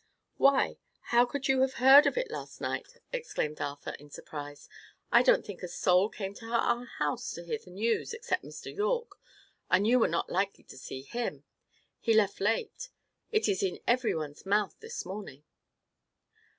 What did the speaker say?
"Why! how could you have heard of it last night?" exclaimed Arthur, in surprise. "I don't think a soul came to our house to hear the news, except Mr. Yorke: and you were not likely to see him. He left late. It is in every one's mouth this morning."